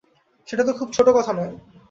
সেটা তো খুব ছোটো কথা নয়।